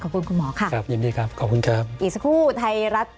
ขอบคุณคุณหมอค่ะอีกสักครู่ไทรัฐ